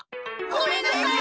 ごめんなさい。